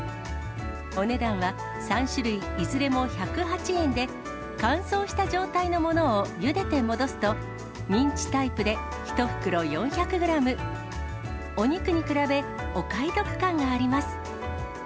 お値段は３種類いずれも１０８円で、乾燥した状態のものをゆでて戻すと、ミンチタイプで１袋４００グラム、お肉に比べ、お買い得感があります。